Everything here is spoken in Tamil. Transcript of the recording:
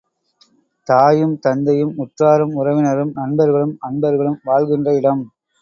தாயும் தந்தையும், உற்றாரும் உறவினரும், நண்பர்களும் அன்பர்களும் வாழ்கின்ற இடம்.